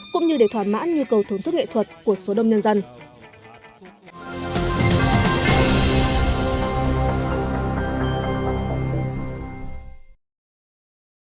cũng như để thỏa mãn nhu cầu thưởng thức nghệ thuật của số đông nhân dân